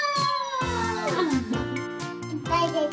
いっぱいでた。